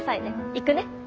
行くね。